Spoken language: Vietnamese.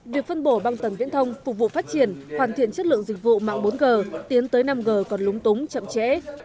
việc phân bổ băng tầng viễn thông phục vụ phát triển hoàn thiện chất lượng dịch vụ mạng bốn g tiến tới năm g còn lúng túng chậm trễ